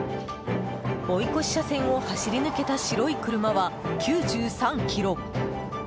追い越し車線を走り抜けた白い車は９３キロ。